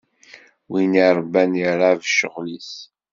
Win irban irab ccɣel-is.